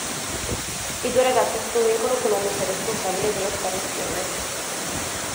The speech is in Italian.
I due ragazzi si convincono che l'uomo sia responsabile della sparizione.